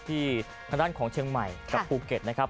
ทางด้านของเชียงใหม่กับภูเก็ตนะครับ